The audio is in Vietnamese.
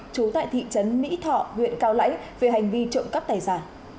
trú tại thị trấn mỹ thọ huyện cao lãnh về hành vi trộm cắp tài sản